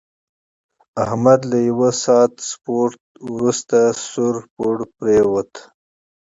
احمد له یوه ساعت سپورت ورسته سوړ پوړ پرېوت.